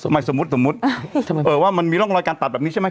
สมมุติว่ามันมีร่องรอยการตัดแบบนี้ใช่มั้ย